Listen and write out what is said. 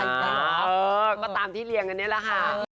เออมาตามที่เรียงอันนี้แล้วค่ะ